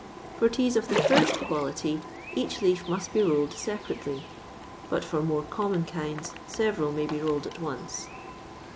For teas of the first quality, each leaf must be rolled separately; but for more common kinds, several may be rolled at once.